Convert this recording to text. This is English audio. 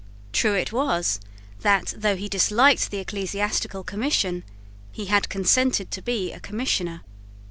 True it was that, though he disliked the Ecclesiastical Commission, he had consented to be a Commissioner.